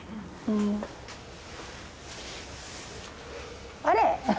うん。あれ！